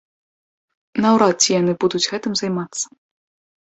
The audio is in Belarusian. Наўрад ці яны будуць гэтым займацца.